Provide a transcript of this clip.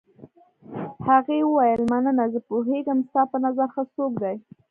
هغې وویل: مننه، زه پوهېږم ستا په نظر ښه څوک دی.